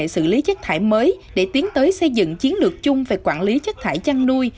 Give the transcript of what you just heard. xử lý chất thải mới để tiến tới xây dựng chiến lược chung về quản lý chất thải chăn nuôi